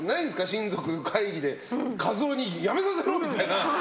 親族会議で和夫にやめさせろ！みたいな。